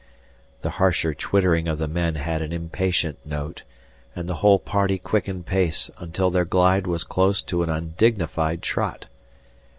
The harsher twittering of the men had an impatient note, and the whole party quickened pace until their glide was close to an undignified trot.